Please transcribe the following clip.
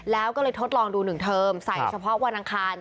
แล้วก็เลยทดลองดู๑เทอมใส่เฉพาะวันอังคาร